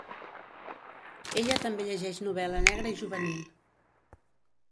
Ella també llegeix novel·la negra i juvenil.